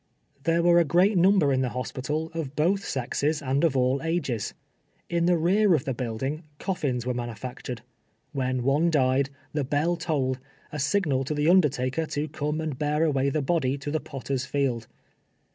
There were a great number in the hospital, of both sexes, and of all ages. In the rear of the T)uilding coffins were inanufactured. When one died, the bell tolled — a sigjial to the undertaker to come and bear away the body to the potter's field.